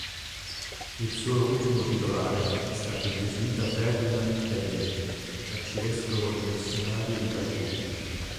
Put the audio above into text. Il suo ultimo titolare è stato il gesuita Ferdinand Périer, arcivescovo dimissionario di Calcutta.